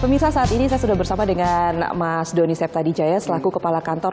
pemirsa saat ini saya sudah bersama dengan mas doni septadijaya selaku kepala kantor